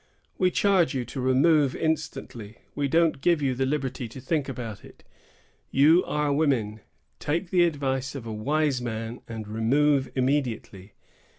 We charge you to remove instantly; we don't give you the liberty to think about it. You are women. Take the advice of a wise man and remove immediately.